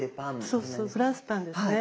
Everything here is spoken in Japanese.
そうそうフランスパンですね。